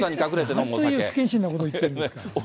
なんという不謹慎なこと言ってるんですか。